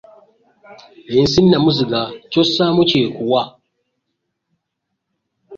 Ensi nnamuziga, ky'ossaamu ky'ekuwa